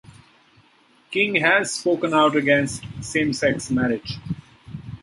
King has spoken out against same-sex marriage.